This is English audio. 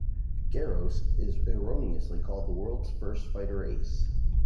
Garros is erroneously called the world's first fighter ace.